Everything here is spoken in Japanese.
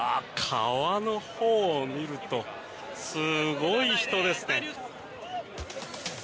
川のほうを見るとすごい人ですね。